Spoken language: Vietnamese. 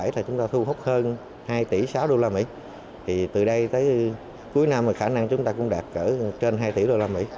thì chúng ta thu hút hơn hai sáu tỷ usd thì từ đây tới cuối năm thì khả năng chúng ta cũng đạt trên hai tỷ usd